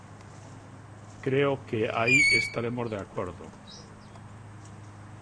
Creo que aí estaremos de acordo.